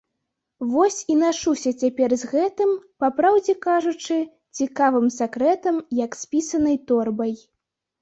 Вось і нашуся цяпер з гэтым, папраўдзе кажучы, цікавым сакрэтам, як з пісанай торбай.